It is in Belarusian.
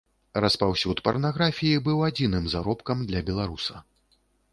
Распаўсюд парнаграфіі быў адзіным заробкам для беларуса.